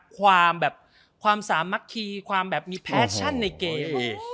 ความสามัคคีความมีแฟชั่นในเกม